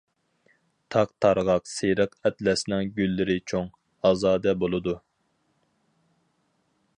تاق تارغاق سېرىق ئەتلەسنىڭ گۈللىرى چوڭ، ئازادە بولىدۇ.